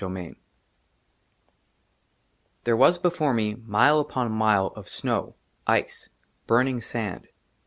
21 XXI THERE WAS, BEFORE ME, MILE UPON MILE OF SNOW, ICE, BURNING SAND.